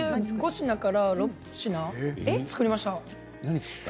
５品から６品作りました。